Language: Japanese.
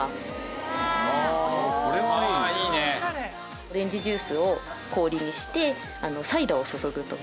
オレンジジュースを氷にしてサイダーを注ぐとか。